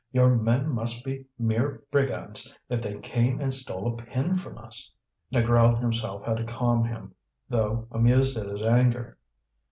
your men must be mere brigands if they came and stole a pin from us!" Négrel himself had to calm him, though amused at his anger.